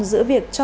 giữa việc trả lời